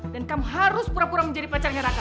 dan kamu harus pura pura menjadi pacar dengan raka